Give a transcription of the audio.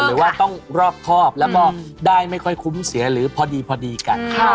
หรือว่าต้องรอบครอบแล้วก็ได้ไม่ค่อยคุ้มเสียหรือพอดีกัน